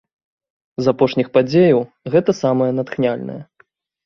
З апошніх падзеяў гэта самая натхняльная.